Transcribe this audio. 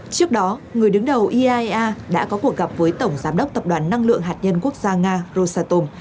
trước đó người đứng đầu iaea đã có cuộc gặp với tổng giám đốc tập đoàn năng lượng hạt nhân quốc gia nga rosatom